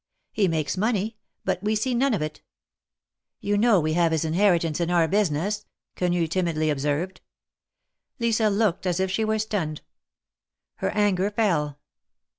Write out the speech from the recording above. He makes money, but we see none of it." "You know we have his inheritance in our business," Quenu timidly observed. Lisa looked as if she were stunned. Her anger fell.